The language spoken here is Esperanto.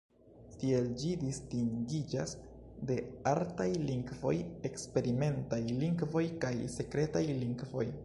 Tiel ĝi distingiĝas de artaj lingvoj, eksperimentaj lingvoj kaj sekretaj lingvoj.